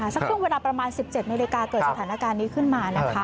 สักครึ่งเวลาประมาณ๑๗มิลิกาเกิดสถานการณ์นี้ขึ้นมา